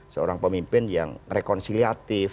seorang pemimpin yang rekonsiliatif